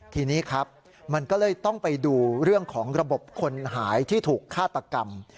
ทีนี้ครับมันก็เลยต้องไปดูเรื่องของระบบคนหายที่ถูกฆาตกรรม